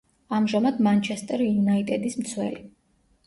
ამჟამად „მანჩესტერ იუნაიტედის“ მცველი.